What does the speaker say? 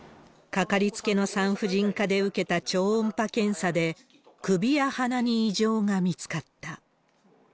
掛かりつけの産婦人科で受けた超音波検査で、首や鼻に異常が見つかった。